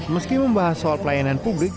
meski membahas soal pelayanan publik